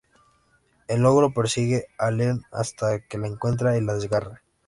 El Ogro persigue a Leah hasta que la encuentra y la desgarra.